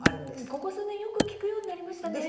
ここ数年よく聞くようになりましたよね。